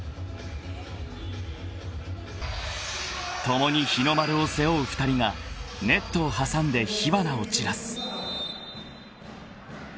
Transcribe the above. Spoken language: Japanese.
［共に日の丸を背負う２人がネットを挟んで火花を散らす］